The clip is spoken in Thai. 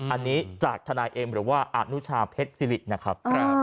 อันนี้จากทนายเอ็มหรือว่าอนุชาเพชรสิรินะครับ